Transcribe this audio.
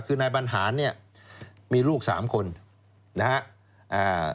คือนายบรรหารเนี่ยมีลูกสามคนนะฮะอ่า